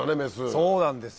そうなんですよ。